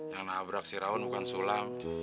yang nabrak si rawun bukan sulam